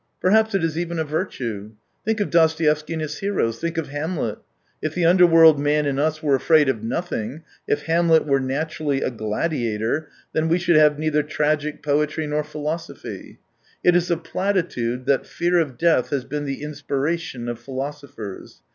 Perhaps it is even a virtue. Think of Dostoevsky and his heroes^ think of Hamlet. If the underworld man in us were afraid of nothing, if Hamlet was naturally a gladiator, then we should have neither tragic poetry nor ..philosophy. It is a platitude, that fear of death has been the inspiration of philo sophers.